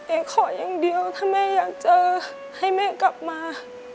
ขออย่างเดียวถ้าแม่อยากเจอให้แม่กลับมา